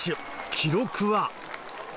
記録は？